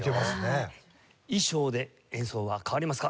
衣装で演奏は変わりますか？